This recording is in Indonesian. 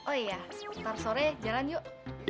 oh iya sebentar sore jalan yuk